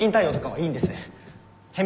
はい。